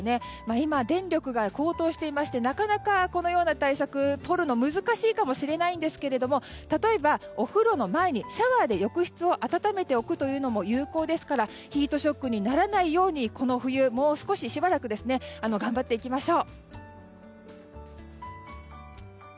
今、電力が高騰していましてなかなかこのような対策をとるのが難しいかもしれませんが例えば、お風呂の前にシャワーで浴室を温めておくのも有効ですからヒートショックにならないようにこの冬もう少し、しばらく頑張っていきましょう。